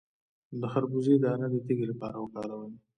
د خربوزې دانه د تیږې لپاره وکاروئ